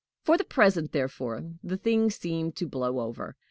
For the present, therefore, the thing seemed to blow over.